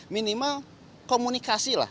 minimal komunikasi lah